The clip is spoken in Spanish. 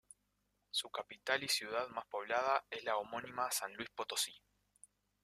Su capital y ciudad más poblada es la homónima San Luis Potosí.